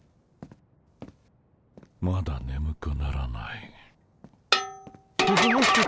まだねむくならない。